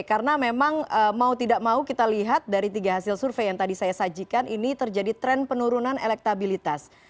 karena memang mau tidak mau kita lihat dari tiga hasil survei yang tadi saya sajikan ini terjadi tren penurunan elektabilitas